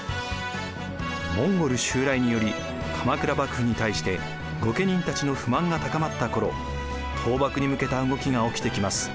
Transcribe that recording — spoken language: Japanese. モンゴル襲来により鎌倉幕府に対して御家人たちの不満が高まった頃倒幕に向けた動きが起きてきます。